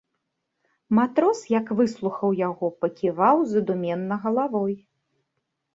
Матрос, як выслухаў яго, паківаў задуменна галавой.